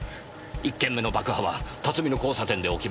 １件目の爆破は辰巳の交差点で起きました。